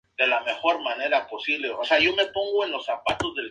Los se han ahogado en la modernidad.